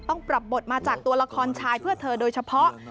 ต้องปรับบทมาจากตัวละครชายเพื่อเธอโดยเฉพาะ